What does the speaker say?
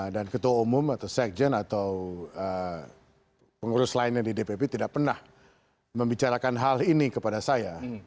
dan ketua umum atau sekjen atau pengurus lainnya di dpp tidak pernah membicarakan hal ini kepada saya